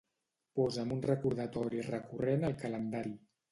Posa'm un recordatori recurrent al calendari.